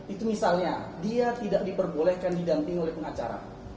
itu misalnya dia tidak diperbolehkan didamping oleh pengacara